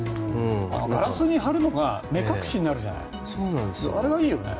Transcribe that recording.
ガラスに貼るのが目隠しになるじゃないあれがいいよね。